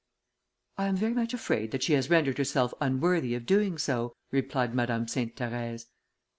"I am very much afraid that she has rendered herself unworthy of doing so," replied Madame Sainte Therèse.